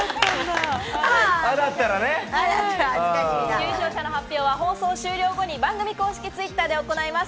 優勝者の発表は放送終了後に番組公式Ｔｗｉｔｔｅｒで行います。